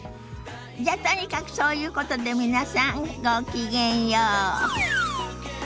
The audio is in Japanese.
じゃとにかくそういうことで皆さんごきげんよう。